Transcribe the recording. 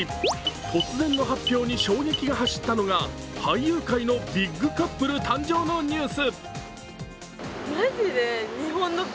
突然の発表に衝撃が走ったのが俳優界のビッグカップル誕生のニュース。